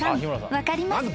分かりますか？］